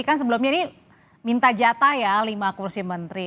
kan sebelumnya ini minta jatah ya lima kursi menteri